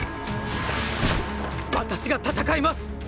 私が戦います！